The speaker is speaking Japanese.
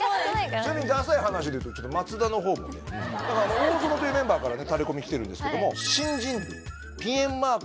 ちなみにダサい話でいうと松田のほうもね大園というメンバーからタレコミ来てるんですけども。